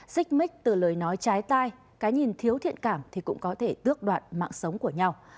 xích mích từ lời nói trái tai cái nhìn thiếu thiện cảm thì cũng có thể tước đoạt mạng sống của nhau